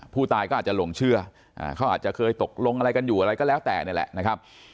ผู้ตายก็อาจจะหลงเชื่อเขาอาจจะเคยตกลงอะไรกันอยู่อะไรก็แล้วแต่นี่แหละนะครับ